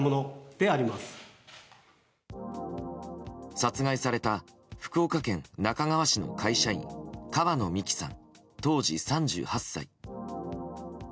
殺害された福岡県那珂川市の会社員川野美樹さん、当時３８歳。